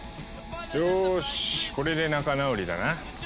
よしこれで仲直りだな。